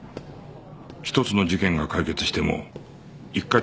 １つの事件が解決しても一課